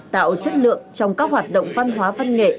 tạo chất lượng trong các hoạt động văn hóa văn nghệ